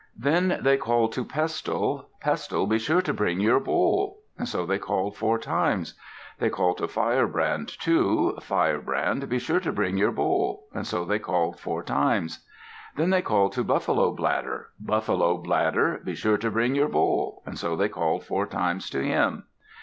Then they called to Pestle. "Pestle, be sure to bring your bowl!" So they called four times. They called to Firebrand, too. "Firebrand, be sure to bring your bowl!" So they called four times. Then they called to Buffalo Bladder. "Buffalo Bladder, be sure to bring your bowl!" So they called four times to him.